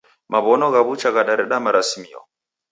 Maw'ono gha w'ucha ghadareda marasimio.